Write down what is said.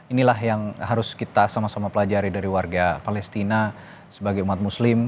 inilah yang harus kita sama sama pelajari dari warga palestina sebagai umat muslim